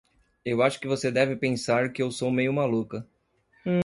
Eu acho que você deve pensar que eu sou meio maluca.